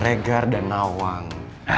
regar dan nawang